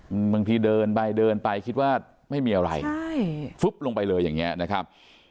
บางทีเดินไปเดินไปคิดว่าไม่มีอะไรใช่ฟึ๊บลงไปเลยอย่างเงี้ยนะครับ